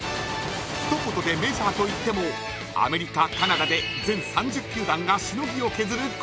一言でメジャーといってもアメリカ、カナダで全３０球団がしのぎを削る